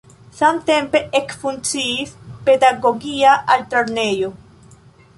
Samtempe ekfunkciis pedagogia altlernejo.